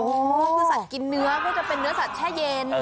ก็คือสัตว์กินเนื้อก็จะเป็นเนื้อสัตวแช่เย็น